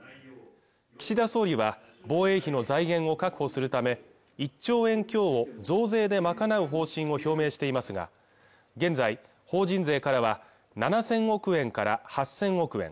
岸田総理は防衛費の財源を確保するため１兆円強を増税で賄う方針を表明していますが現在法人税からは７０００億円から８０００億円